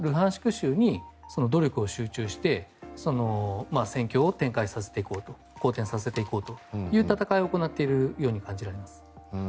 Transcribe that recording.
州に努力を集中して戦況を展開していこうと好転させていこうという戦いを行っているように感じられます。